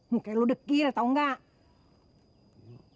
mungkin lo dekir atau enggak